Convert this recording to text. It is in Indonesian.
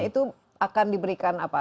itu akan diberikan apa